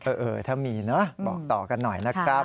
เออถ้ามีเนอะบอกต่อกันหน่อยนะครับ